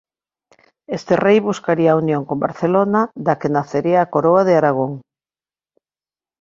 Este rei buscaría a unión con Barcelona da que nacería a Coroa de Aragón.